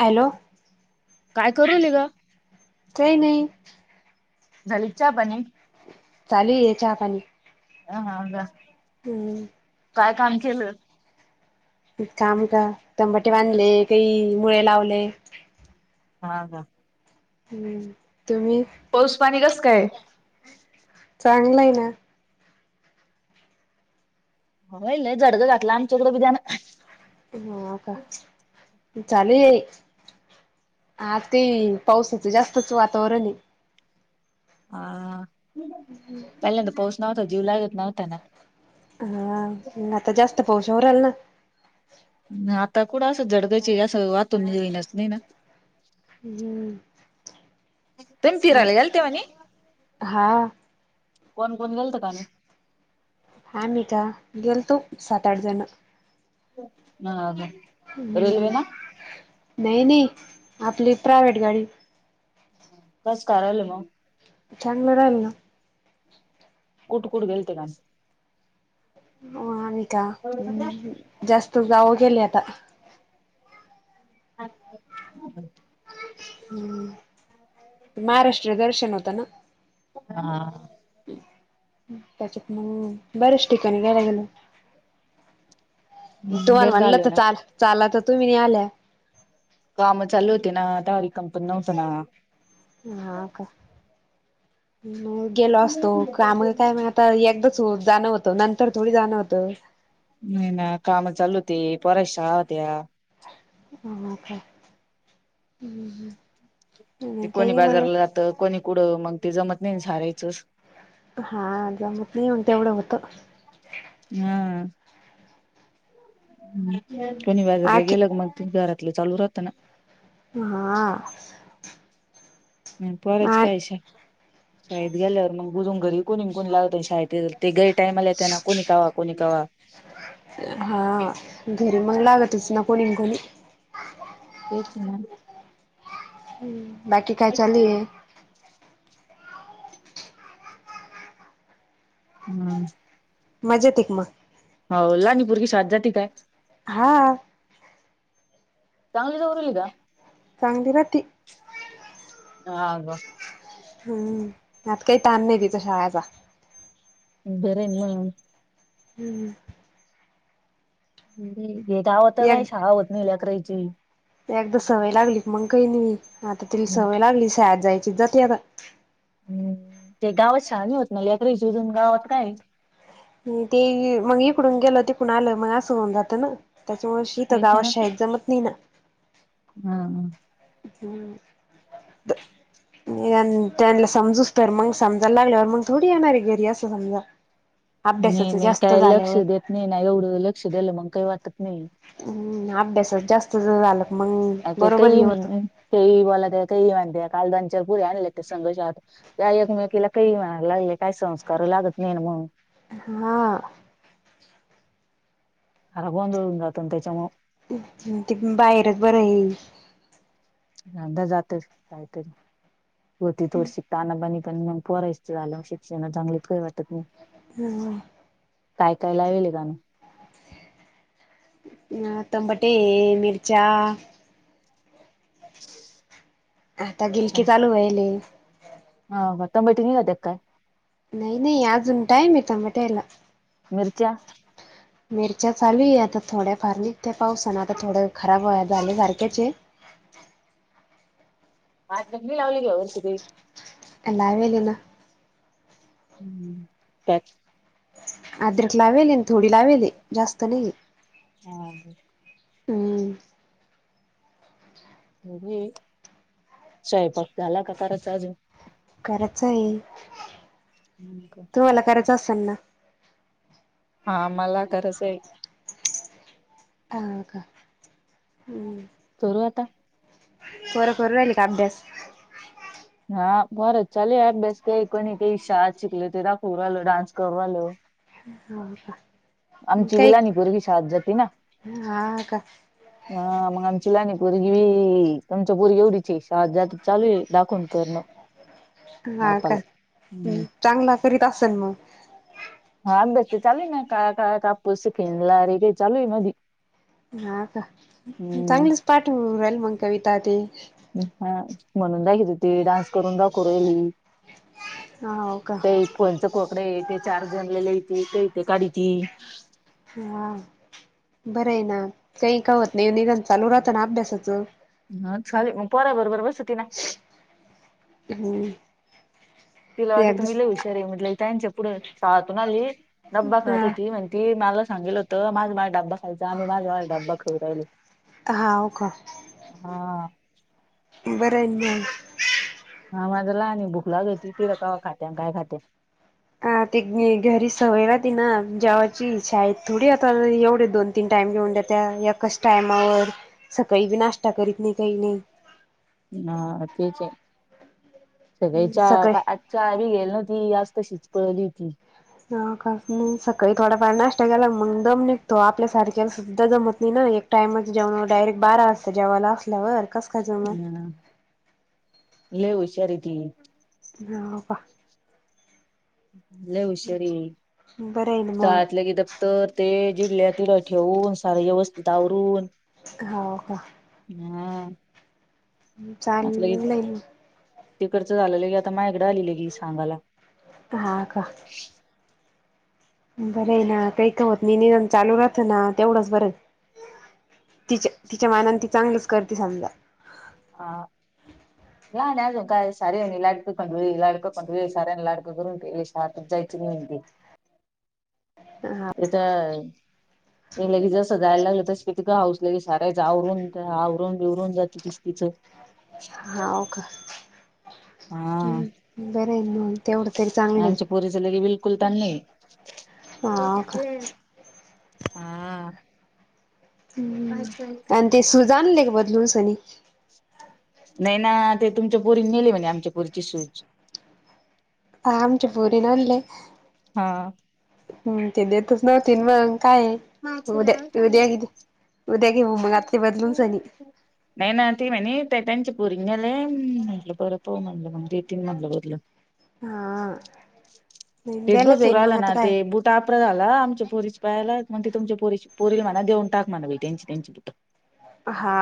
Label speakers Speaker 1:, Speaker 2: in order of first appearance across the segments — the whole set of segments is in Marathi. Speaker 1: हॅलो
Speaker 2: काय करूल ग
Speaker 1: काही नाही
Speaker 2: झाली चहा पाणी?
Speaker 1: चालू आहे चहा पाणी
Speaker 2: ह ह जा
Speaker 1: हम् काम का तंबाटे बांधले काही मुळे लावले
Speaker 2: हाव का?
Speaker 1: हम्म तुम्ही
Speaker 2: पाऊस पाणी कस काय?
Speaker 1: चांगलं आहे ना
Speaker 2: [unintelligible]
Speaker 1: हो का? चाले आहे ते पावसाच जास्तच वातावरण आहे
Speaker 2: हा पहिले तर पाऊस नव्हता जीव लागत नव्हत ना
Speaker 1: हा आता जास्त पाऊस येऊन राहिला ना
Speaker 2: [unintelligible]
Speaker 1: हम्म
Speaker 2: [unintelligible] कोण गेलत कानू?
Speaker 1: आ मी का गेलतो सात आठ जण
Speaker 2: हो
Speaker 1: हम्म नाही नाही आपली प्रायव्हेट गाडी
Speaker 2: कस करायल मग?
Speaker 1: चांगलं राहिल ना
Speaker 2: कुठ कुठ गेलते [unintelligible]
Speaker 1: हो [unintelligible] जास्त जाऊ गेले ला [unintelligible] महाराष्ट्र दर्शन होत ना
Speaker 2: हा
Speaker 1: [inaudible] ठिकाणी घ्यायला गेलं तुम्हाला
Speaker 2: बर
Speaker 1: म्हटलं
Speaker 2: झालं
Speaker 1: तर
Speaker 2: ना
Speaker 1: चाल चाला तर तुम्ही आल्या
Speaker 2: काम चालू होते ना त्यावरारी कंपन नव्हतं ना
Speaker 1: ह का? मग गेलो असतो काम काय मग आता एकदा जाणं होतं नंतर थोडी जाणं होतं.
Speaker 2: नाही ना... कामं चालू होते, पोरांच्या शाळा होत्या
Speaker 1: [unintelligible]
Speaker 2: ते कोणी
Speaker 1: काही मग
Speaker 2: बाजारला जातं, कोणी कुडं, मग ते जमत नई ना सारायचंच
Speaker 1: हा जमत नई मग तेवढं व्हतं
Speaker 2: हम्म कुणी बाजारला
Speaker 1: आखी
Speaker 2: गेलं मग ते घरातलं चालू राहतं ना
Speaker 1: हा
Speaker 2: पोराचं
Speaker 1: आ
Speaker 2: काय शा.. शाळेत गेल्यावर मग [unintelligible] घरी कुणी न कुणी लावतं शाळेत ते ते गैर टाईमला त्यांना कोणी कवा कोणी कवा
Speaker 1: हा घरी मग लागतच न कोणी न कोणी
Speaker 2: तेच ना
Speaker 1: बाकी काय चालू ये?
Speaker 2: हम्
Speaker 1: मजेत ये मग
Speaker 2: [unintelligible]
Speaker 1: हा
Speaker 2: चांगली [inaudible] का
Speaker 1: चांगल राहती
Speaker 2: [unintelligible]
Speaker 1: हम्म आता काही ताण नाही तिचा शाळेचा. [unintelligible]
Speaker 2: बर ये मग.
Speaker 1: हम्म.
Speaker 2: [unintelligible]
Speaker 1: एक
Speaker 2: नाई, शाळा व्हत नाई लेकरांची
Speaker 1: एकदा सवय लागली मग काई नाई, आता तरी सवय लागली शाळेत जायची, जाती आता
Speaker 2: हम्म, ते गावात शाळा नाई होत ना लेकरांची [unintelligible] गावात काय ए
Speaker 1: ते मग इकडून गेलं, तिकून आलं... मग असं होऊन जातं ना त्याच्या मूळं इथं
Speaker 2: त्यायचे
Speaker 1: गावात
Speaker 2: ना.
Speaker 1: शाळात जमत नाई ना
Speaker 2: हा
Speaker 1: हम्म यां... त्यांना समजूस तर मग समजाय लागल्यावर मग थोडी येणार ये घरी असं समजा
Speaker 2: नई
Speaker 1: अभ्यासाच
Speaker 2: नई,
Speaker 1: जास्त
Speaker 2: काय लक्ष
Speaker 1: झाल्यावर
Speaker 2: देत नई ना एवढं, लक्ष दिलं मग काई वाटत नाई
Speaker 1: हम्म, अभ्यासात जास्त जर झालं... मग
Speaker 2: अ... तेे...
Speaker 1: बरोबर हे
Speaker 2: काई
Speaker 1: होत
Speaker 2: [unintelligible] काई बोलात्या, काई म्हणत्यात कालद चार पोरी आणिल्या होत्या, [unintelligible] त्या एकमेकीला काईही म्हणायला लागले, काई संस्कार लागत नाही ना मग
Speaker 1: हा
Speaker 2: [unintelligible] गोंधळून जातो ना त्याच्यामूळं
Speaker 1: ते बाहेरच बरं ये
Speaker 2: [unintelligible] कायीतरी, होती थोडशी ताना बानी पण मग पोरायचं झाल्यावर शिक्षणाचं चांगलं, काही वाटत नाई
Speaker 1: हम्म
Speaker 2: काय काय लावेल ए दाणे?
Speaker 1: ह तंबाटे ए, मिरच्या आता गिलकी चालू व्हयाल ए
Speaker 2: हा मग तंबाटे निघत्यात काय?
Speaker 1: नाई नाई अजून टाईम ये तंबाट्याला
Speaker 2: मिरच्या
Speaker 1: मिरच्या चालू ए आता थोड्या फार निघत्याल पावसाने आता थोड्या खराब झाल्या सारख्याच ये [inaudible]
Speaker 2: आजीनी नाई लावली का या वर्षी काई?
Speaker 1: लावेल ये ना
Speaker 2: [unintelligible] काय
Speaker 1: अद्रक लावेल ए न थोडी लावेल ए जास्त नाई ये,
Speaker 2: हा,
Speaker 1: हम्,
Speaker 2: [inaudible] स्वयंपाक झाला का करायचाय अजून?
Speaker 1: करायचाए,
Speaker 2: हा, का
Speaker 1: [inaudible]
Speaker 2: हा मला गरज ये
Speaker 1: हाव का, हम्म
Speaker 2: करू आता
Speaker 1: पोरं करू राहिली का अभ्यास?
Speaker 2: हा पोराचं चालू आहे अभ्यास, ते कुणी ते शाळेत शिकवले ते दाखवू राहिले, डान्स करू राहिलो
Speaker 1: [unintelligible] का
Speaker 2: आमची बी
Speaker 1: काही
Speaker 2: लहानी पुरगी शाळेत जाती ना..
Speaker 1: हा का
Speaker 2: हा मग आमची लहानी पोरगी बी, तुमच्या पोरगी एवढीच ए... शाळेत जाती चालू ये दाखवून करणं...
Speaker 1: हा
Speaker 2: बापाला
Speaker 1: का
Speaker 2: हम्म
Speaker 1: चांगला करीत असेल मग
Speaker 2: हा अभ्यास तर चालू ए ना, काळा काळा कापूस पिंजला रे ते चालू ए मधी
Speaker 1: हा आता
Speaker 2: हम्म
Speaker 1: चांगलीच पाठ होऊ राहिली मंग कविता ते
Speaker 2: हा... म्हणून दाखीत होती, डान्स करून दाखू राहिली
Speaker 1: हाव का
Speaker 2: ते फोनचं को ते ते चार्जरला येते, ते ते काढिती,
Speaker 1: हा बरं ए ना काही का होत नाही, निदान चालू राहतं ना अभ्यासाचं,
Speaker 2: हा चालू ए मग पोरांबरोबर बसती ना?
Speaker 1: हम्म,
Speaker 2: तिला
Speaker 1: ते
Speaker 2: वाटतं मी
Speaker 1: अगदीच
Speaker 2: लय हुशार ए, म्हटलं त्यांच्यापुढं शाळातून आली डब्बा खात
Speaker 1: हा
Speaker 2: होती, म्हणती मलाच सांगेल होतं माझं माझा डब्बा खायचा, मी माझा माझा डबा खाऊ राहिले,
Speaker 1: हाऊ का,
Speaker 2: हा
Speaker 1: बरंय ना मग, [unintelligible]
Speaker 2: हा माझी लहानी भूक लागती, तिला कव्हा खात्यान काय खात्यान,
Speaker 1: हा ते घरी सवय राहती ना जेवाची, शाळेत थोडी आता एवढे दोन तीन टाईम, टाईम लिहून देतात, एकाच टायमावर सकाळी बी नाश्ता करीत नई काई नई,
Speaker 2: हा तेच ए, सकाळी चा
Speaker 1: सकाळी
Speaker 2: चहा बी घेइली नव्हती, आज तशीच पळली होती.
Speaker 1: मंग दम निघतो आपल्यासारख्याला सुद्धा दमत नाही ना, एक टाइमच जेवन डायरेक्ट बारा वाजता जेव [unintelligible] असल्यावर, काय जमल
Speaker 2: हम लय हुशार ती,
Speaker 1: हा बा,
Speaker 2: लय हुशार ये,
Speaker 1: बरं आहे ना मग
Speaker 2: शाळेतल के दप्तर ते जिथल्यातिथे ठेवून, सार व्यवस्थित आवरून,
Speaker 1: होऊ का,
Speaker 2: हा
Speaker 1: चालल,
Speaker 2: तकडच झालेलं क आता, माझ्याकडे आली सांगायला.
Speaker 1: हा का, बरं ना काही का होत, मी नियम चालू राहत ना तेवढच बर. तिच्या तिच्या मानात, ती चांगलीच करते समजा.
Speaker 2: हा लहान आहे अजून, काय सार्यां आणि लाडकं पण वेळी लाडकं पण वेळ, साऱ्यांनी लाडकं करून केात जायची नाही म्हणती.
Speaker 1: [unintelligible] हा
Speaker 2: इथ लगे जसं जायला लागल तस. तथ हासलं क सारायच आवरून आवरून बवरून जात तस तिचं.
Speaker 1: हा का
Speaker 2: हा
Speaker 1: हम्म बरं आहे मग तेवढं तरी चांगलं.
Speaker 2: कुलतानी
Speaker 1: हाव का
Speaker 2: हा.
Speaker 1: हम्म आणि ते सुज आणली का बदलूस आणि?
Speaker 2: नाही ना ते तुमच्या बोरीन नेले म्हणजे आमच्या पोरीची सूज.
Speaker 1: हा आमच्या पोरीन आणले.
Speaker 2: हा,
Speaker 1: ते देतच नव्हती मग काय, उद्या उद्या किती उद्या घेऊ मग आपली बदलूनचली,
Speaker 2: पुरींगले म्हटलं बर पाहू म्हटलं मग देतीन म्हटलं बदलून.
Speaker 1: हा,
Speaker 2: ते
Speaker 1: द्यायला
Speaker 2: बस
Speaker 1: जाईन
Speaker 2: राहीलना
Speaker 1: मग
Speaker 2: आला
Speaker 1: आता
Speaker 2: ना ते
Speaker 1: काय
Speaker 2: बुटा आपर झाला, आमच्या पोरीस पायाला. मग ते तुमच्या पोरी पोरील म्हणा, देऊन टाक म्हणा त्यांची त्यांची बूट.
Speaker 1: हा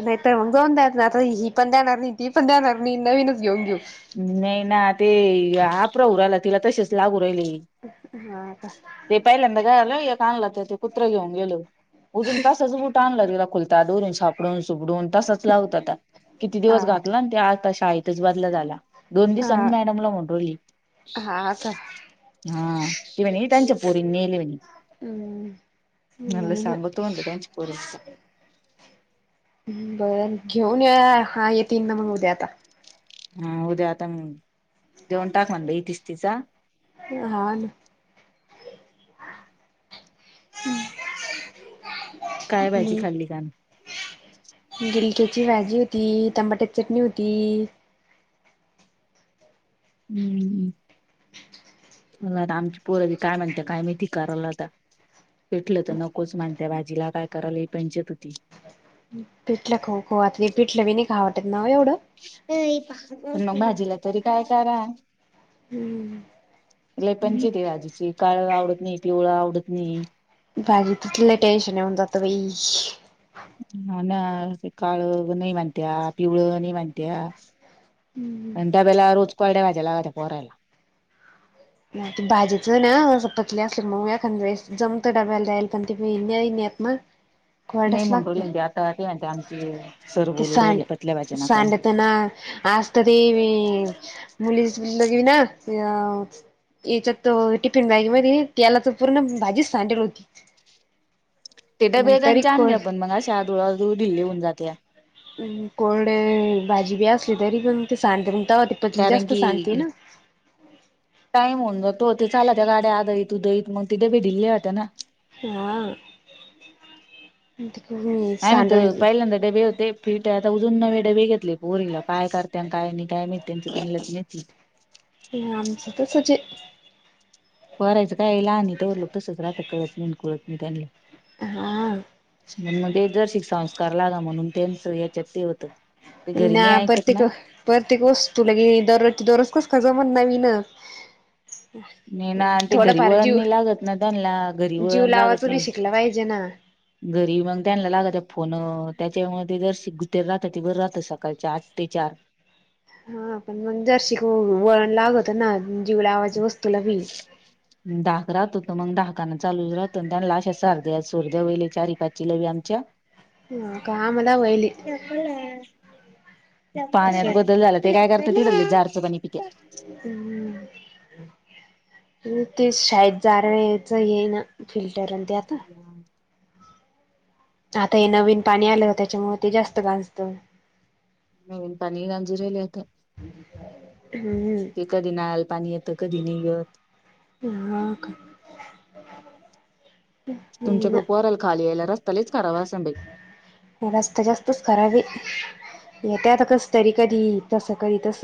Speaker 1: नाहीत तर जाऊंद्या ही पण देणार नाही. ती पण द्याणार मी नवीनच घेऊन घेऊ
Speaker 2: नाही ना ते आपर होऊ लागलं तिला तसेच लागून
Speaker 1: हा का
Speaker 2: [unintelligible] द पायला एंद काला, चांगलं ते ते कुत्र घेऊन गेल, अजून तसंचू बूट आणलं, तिला खुलता डरून सापडून सुपडून. तसाच ला होत आता किती दिवस घातला
Speaker 1: हा
Speaker 2: ना ते आता शाळेतच बदला झाला. दोन दिसांनी मॅडमला म्हवली.
Speaker 1: हा हा का
Speaker 2: हा इवेणी टांचापूर नलवेणे
Speaker 1: हम्म
Speaker 2: [inaudible] नला
Speaker 1: नाही ना
Speaker 2: सभत्व अ काच परच [inaudible]
Speaker 1: बरं घेऊन ये हा येतील ना मग उद्या आता.
Speaker 2: हा उद्या आता मग देऊन टाकाना तिसच तिचा काय भाजी
Speaker 1: हम्
Speaker 2: खाल्ली का
Speaker 1: गिलक्याची भाजी माझी होती टमाट्याची चटणी होती.
Speaker 2: हम्मम आमची पोर बी काय म्हणता काय माहिती करायला आता. पिठलं तर नकोच मानत्या भाजीला काय कराल ह पंचत होती.
Speaker 1: पीठलं खो खू आत पीठलं बी नाही काय आटत ना ओ एवढं.
Speaker 2: प मग भाजीला तरी काय करा लई पंच ते आहे राजजीची काळ आवडत नाही पिवळा आवडत नाही
Speaker 1: बाजीच लई टेशनऊ जात बाई
Speaker 2: हा ना काळ नाही मानत्या पिवळ नाही मानत्या अन् डब्याला रोज कोरड्या भाज्या लागण्या पोहरायला
Speaker 1: ते भाजीचं ना असेल मग एखळेस जमत डबायला जाईल पण ते नाहीत मग
Speaker 2: नाही
Speaker 1: कटच
Speaker 2: म्हणून
Speaker 1: लागते
Speaker 2: राहिले ते आता ते म्हणते आमची सर
Speaker 1: ते
Speaker 2: बोलू
Speaker 1: सांड
Speaker 2: राहिली पतल्या भाज्या नका म्हणून
Speaker 1: सांडत ना आजत ते मुली ब लग ना याच्यात त टिफिन बॅग म त्याला तर पूर्ण भाजीच सांडेेल होती
Speaker 2: ते
Speaker 1: म्हण
Speaker 2: डब्बे
Speaker 1: तरी
Speaker 2: आम
Speaker 1: कोड
Speaker 2: घ्या पण मग अशा धुळाधूळ ढिल्ली होऊन जाते
Speaker 1: कोरड भाजी बी असली तरी पण ते सांड अ पतली
Speaker 2: कारण
Speaker 1: जास्त
Speaker 2: की
Speaker 1: सांगते ना
Speaker 2: तु द इत मग तिथे भेडिले होता ना
Speaker 1: हा
Speaker 2: नाही नाही तर
Speaker 1: सांडून
Speaker 2: पहिल्यांदा डबे होते फिट आता अजून नवे डबे घेतले पोरीला काय करते आणि काय निघ काय मा त्यांच त्यांलाच माती
Speaker 1: ह आमच तसचं आहे.
Speaker 2: परायचं काय ल आणि तरवर लोक तसच राहत कळत नाही कुळत नाही त्यांला
Speaker 1: हा
Speaker 2: म्हणजे दर्शिक संस्कार लागा म्हणून त्यांचं याच्यात ते होतं ते घरी
Speaker 1: ना
Speaker 2: नाही ऐकत
Speaker 1: प्रत्येक
Speaker 2: ना
Speaker 1: प्रत्येक वस्त तुलागे दररोजच दररोज कस काय म्हण नवी [unintelligible]
Speaker 2: नाही ना ते घरी वळण नाही लागत ना त्यांनला घरी
Speaker 1: जीव
Speaker 2: वळण लागत
Speaker 1: लावाचं बी
Speaker 2: नाही.
Speaker 1: शिकला पाहिजे ना.
Speaker 2: घरी मग त्यांला लाग त्या फोन त्याच्यामुळे जर राहतं ते बर राहत सकाळच्या आठ ते चार
Speaker 1: हा पण मग जरशी ख वळण लागवत ना जीवलावाच्या वस्तूला भिल
Speaker 2: दका चालू रा लाश सर्ध्या सोर्ध्या वहिले चारी पाचची लवी आमच्या
Speaker 1: ह काम लावायलीत
Speaker 2: पाण्यात बदल झाला ते काय करत त जारचं पाणी पित्यात
Speaker 1: ते शाळेत जाारवायचं ये ना फिल्टर आणि ते आता आता हे नवीन पाणी आलं न त्याच्यामुळे ते जास्त गाजत
Speaker 2: हन पनीर गंजीर लत ते
Speaker 1: हम्म
Speaker 2: कधी नाळाल पाणी येतं कधी नाही येत
Speaker 1: हा का?
Speaker 2: तुमच्याकडडे पॉरल खाली यायला रस्
Speaker 1: जास्त जास्तच करावी येत्यात कस तरी कधी तसं कधी तस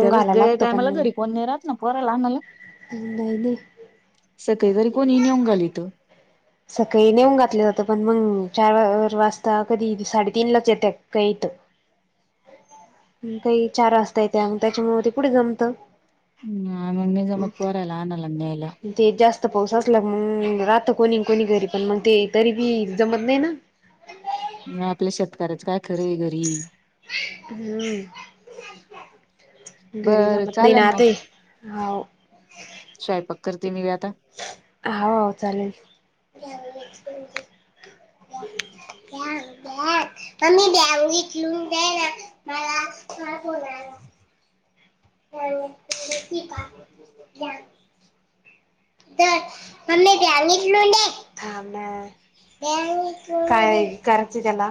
Speaker 2: त्यातच टायमाला घरी कोण न राहात ना पोराला आणायला.
Speaker 1: नाही नाही
Speaker 2: सकाळी तरी कोणी ही नेऊन घालीवतो.
Speaker 1: सकाळी नेऊन घातलं जातं पण मग चार वाजता, कधी साडेतीन लाच येते काईथ [inaudible] काही चार वाजता येते त्याच्यामुळ ते कुठे जमत?
Speaker 2: आम्हाला नाही जमत पोराला आणायला आणि न्यायला.
Speaker 1: फक्त पाऊस असला की मग राहत कोणी कोणी घरी पण मग ते तरी बी जमत नाही ना
Speaker 2: मग आपल्या शेतकऱ्याचं काय खरं आहे घरी.
Speaker 1: [inaudible] हम्म घरी
Speaker 2: बरं
Speaker 1: जमत नाही
Speaker 2: चालन
Speaker 1: ना
Speaker 2: मग
Speaker 1: ते हाऊ.
Speaker 2: स्वयंपाक करते मी व्यात
Speaker 1: [unintelligible] हाव चालेल [unintelligible] द द्या मग मी उचलून द्या ना मला. [unintelligible] [unintelligible] [unintelligible] हा ना काय करायची त्याला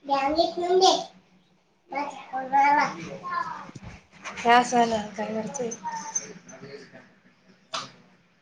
Speaker 1: [unintelligible] त्यासालाच [unintelligible]